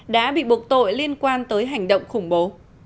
đã bị buộc tội liên quan tới hành động khủng bố